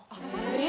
・え